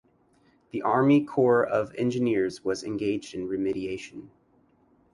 The Army Corps of Engineers was engaged in remediation.